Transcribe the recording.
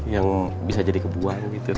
yang bisa jadi kebuahan gitu